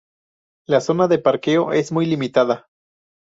La zona de parqueo es muy limitada.